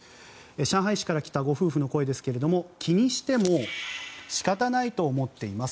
上海市から来たご夫婦の声ですが気にしても仕方ないと思っています